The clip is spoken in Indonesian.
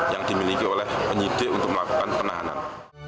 yang dimiliki oleh penyidik untuk melakukan penahanan